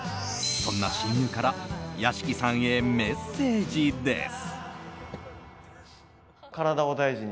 そんな親友から屋敷さんへ、メッセージです。